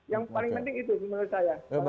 yang paling penting itu menurut saya